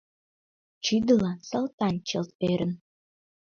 Чӱдылан Салтан чылт ӧрын